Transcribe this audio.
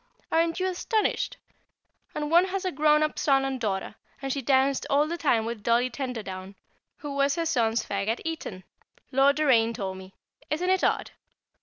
Aren't you astonished? And one has a grown up son and daughter, and she danced all the time with Dolly Tenterdown, who was her son's fag at Eton, Lord Doraine told me. Isn't it odd?